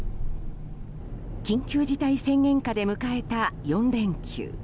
緊急事態宣言下で迎えた４連休。